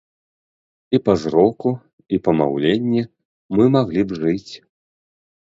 І па зроку, і па маўленні мы маглі б жыць.